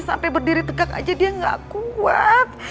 sampai berdiri tegak aja dia gak kuat